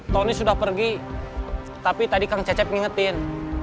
tony sudah pergi tapi tadi kang cecep ngingetin